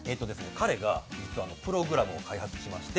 彼が、実はプログラムを開発いたしまして、